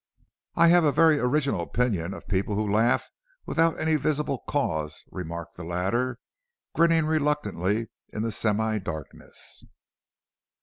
"I have a very original opinion of people who laugh without any visible cause," remarked the latter, grinning reluctantly in the semi darkness.